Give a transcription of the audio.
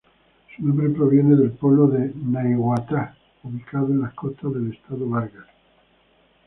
Su nombre proviene del pueblo de Naiguatá ubicado en la costa del estado Vargas.